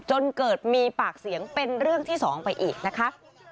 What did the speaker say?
จนเกิดมีปากเสียงเป็นเรื่องที่สองไปอีกนะคะ